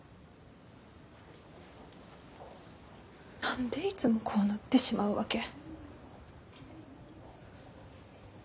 何でいつもこうなってしまうわけ？